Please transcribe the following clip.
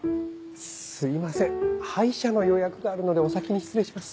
すいません歯医者の予約があるのでお先に失礼します。